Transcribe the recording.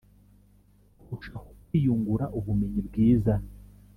kurushaho kwiyungura ubumenyi. bwiza